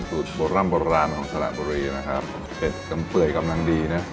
โบร่ำโบราณของสระบุรีนะครับเผ็ดจนเปื่อยกำลังดีนะ